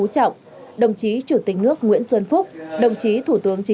các đồng chí đều hết lòng hết sức